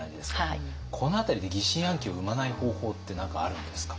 この辺りで疑心暗鬼を生まない方法って何かあるんですか？